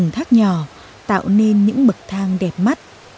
những thác nhỏ tạo nên những mực thang đẹp mắt